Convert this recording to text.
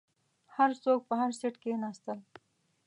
هر څوک په هر سیټ کښیناستل.